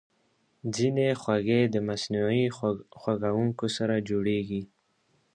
ځینې خوږې د مصنوعي خوږونکو سره جوړېږي.